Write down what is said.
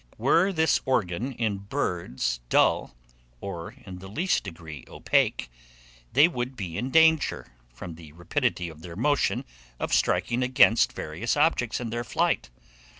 Were this organ in birds dull, or in the least degree opaque, they would be in danger, from the rapidity of their motion, of striking against various objects in their flight.